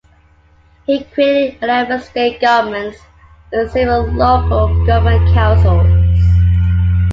He created eleven state governments and several local government councils.